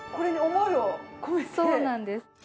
そうなんです。